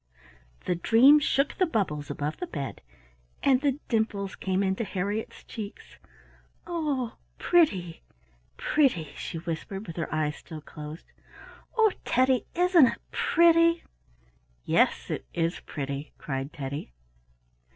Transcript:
The dream shook the bubbles above the bed, and the dimples came into Harriett's cheeks. "Oh! pretty, pretty!" she whispered with her eyes still closed. "Oh, Teddy? isn't it pretty?" "Yes, it is pretty!" cried Teddy.